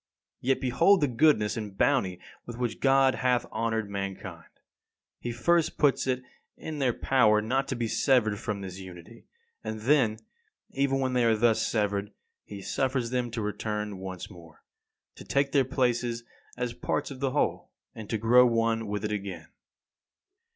Yet behold the goodness and bounty with which God hath honoured mankind. He first puts it in their power not to be severed from this unity; and then, even when they are thus severed, he suffers them to return once more, to take their places as parts of the whole, and to grow one with it again.